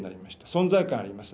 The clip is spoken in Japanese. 存在感あります。